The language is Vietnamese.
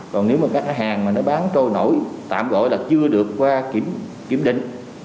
còn nếu mà các khách hàng mà nó bán trôi nổi tạm gọi là chưa được qua kiểm định